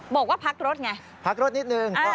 บอกว่าพักรถไงพักรถนิดนึง